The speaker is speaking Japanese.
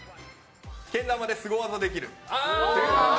けん玉でスゴ技できる。